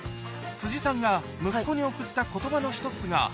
辻さんが息子に送ったことばの一つが。